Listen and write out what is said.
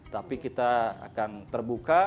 tapi kita akan terbuka